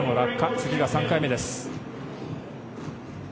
次が３回目です。